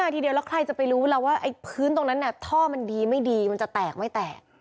ถ้าใครจะไปรู้ว่าไอ้พื้นตรงนั้นเนี่ยท่อมันดีไม่ดีมันจะแตกไม่แตก